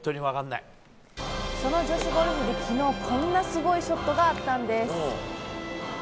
その女子ゴルフで昨日こんなすごいショットがあったんです。